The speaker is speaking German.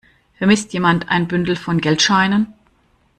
Vermisst jemand ein Bündel von Geldscheinen?